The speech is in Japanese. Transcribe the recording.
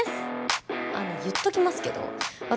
あの言っときますけど私